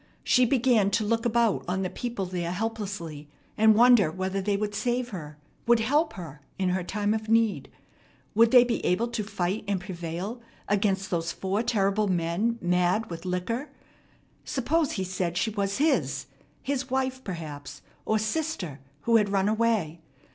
She began to look about on the people there helplessly, and wonder whether they would save her, would help her, in her time of need. Would they be able to fight and prevail against those four terrible men mad with liquor? Suppose he said she was his his wife, perhaps, or sister, who had run away.